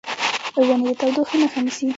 ونې د تودوخې مخه نیسي.